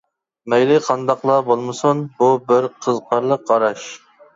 مەيلى قانداقلا بولمىسۇن، بۇ بىر قىزىقارلىق قاراش.